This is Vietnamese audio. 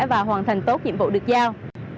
và hoàn thành tốt nhiệm vụ được giao